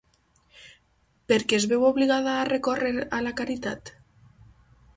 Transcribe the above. Per què es veu obligada a recórrer a la caritat?